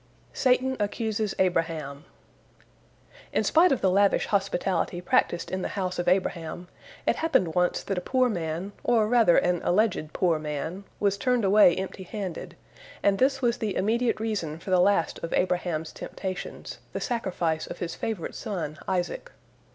SATAN ACCUSES ABRAHAM In spite of the lavish hospitality practiced in the house of Abraham, it happened once that a poor man, or rather an alleged poor man, was turned away empty handed, and this was the immediate reason for the last of Abraham's temptations, the sacrifice of his favorite son Isaac.